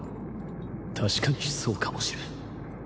確かにそうかもしれん。